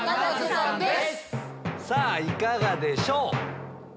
さぁいかがでしょう？